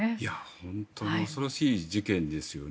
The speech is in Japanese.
本当に恐ろしい事件ですよね。